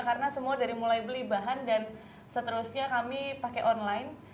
karena semua dari mulai beli bahan dan seterusnya kami pakai online